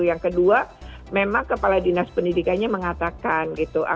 yang kedua memang kpai mengatakan